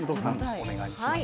お願いします。